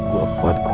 gue kuat kok